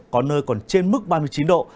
có nơi còn trên mức ba mươi chín độ